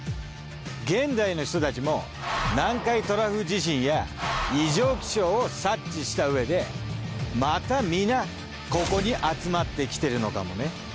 現代の人たちも南海トラフ地震や異常気象を察知したうえでまた皆ここに集まってきてるのかもね。